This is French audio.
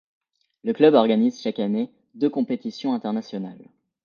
Le club organise chaque année deux compétitions internationales.